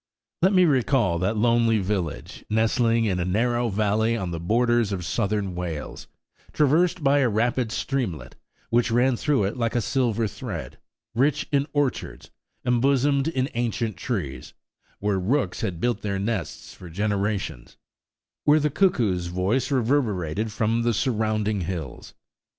Let me recall that lonely village, nestling in a narrow valley on the borders of Southern Wales, traversed by a rapid streamlet, which ran through it like a silver thread; rich in orchards, embosomed in ancient trees, where rooks had built their nests for generations; where the cuckoo's voice reverberated from surrounding hills.